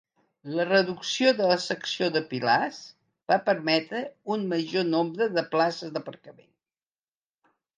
La reducció de la secció de pilars va permetre un major nombre de places d'aparcament.